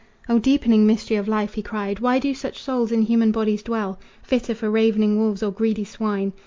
"O deepening mystery of life!" he cried, "Why do such souls in human bodies dwell Fitter for ravening wolves or greedy swine!